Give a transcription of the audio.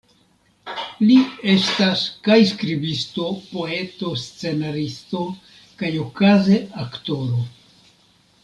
Li estas kaj skribisto, poeto, scenaristo kaj okaze aktoro.